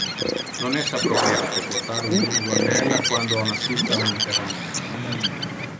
Non es appropriate portar un minigonnella quando on assiste a un interramento.